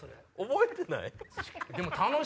覚えてないの？